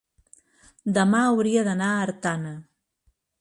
Demà hauria d'anar a Artana.